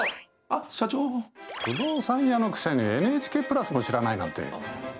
不動産屋のくせにＮＨＫプラスも知らないなんて。